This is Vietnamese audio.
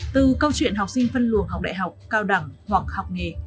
từ câu chuyện học sinh phân luồng học đại học cao đẳng hoặc học nghề